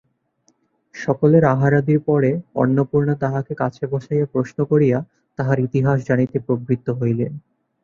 সকলের আহারাদির পরে অন্নপূর্ণা তাহাকে কাছে বসাইয়া প্রশ্ন করিয়া তাহার ইতিহাস জানিতে প্রবৃত্ত হইলেন।